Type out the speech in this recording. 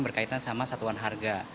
dikaitkan dengan kebutuhan harga